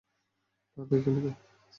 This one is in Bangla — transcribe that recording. পা দেখে ধরো।